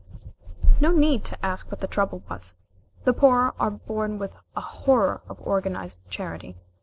No need to ask what the trouble was. The poor are born with a horror of organized charity.